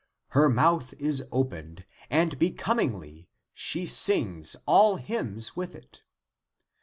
Her mouth is opened, and becomingly <She sings all hymns with it.>